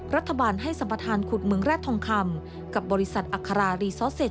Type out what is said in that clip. รัฐบาลให้สัมพัฒนาขุดเมืองแร